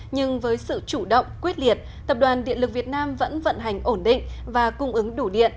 nhưng với sự chủ động quyết liệt tập đoàn điện lực việt nam vẫn vận hành ổn định và cung ứng đủ điện